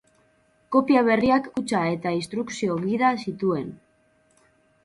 Kopia berriak kutxa eta instrukzio-gida zituen.